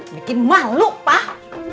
bikin malu pak